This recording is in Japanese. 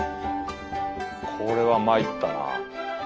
これはまいったな。